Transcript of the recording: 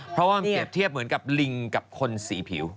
เพราะว่ามันเปรียบเทียบเหมือนกับลิงกับคนสีผิว